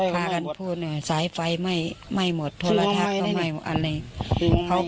พากันพูดสายไฟไหม้หมดโทรทักก็ไม่หมดอะไร